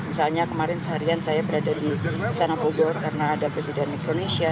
misalnya kemarin seharian saya berada di sana bogor karena ada presiden indonesia